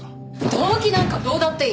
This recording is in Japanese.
動機なんかどうだっていい。